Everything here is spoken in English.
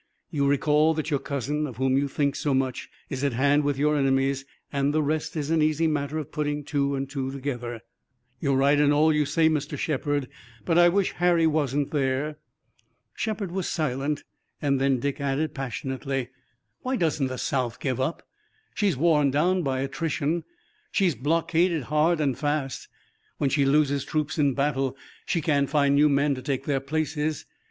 You recall that your cousin, of whom you think so much, is at hand with your enemies, and the rest is an easy matter of putting two and two together." "You're right in all you say, Mr. Shepard, but I wish Harry wasn't there." Shepard was silent and then Dick added passionately: "Why doesn't the South give up? She's worn down by attrition. She's blockaded hard and fast! When she loses troops in battle she can't find new men to take their places!